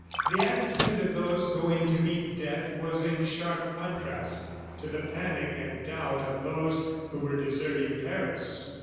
The attitude of those going to meet death was in sharp contrast to the panic and doubt of those who were deserting Paris.